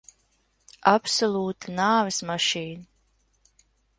Absolūta nāves mašīna.